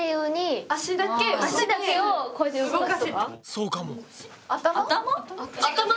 そうかも！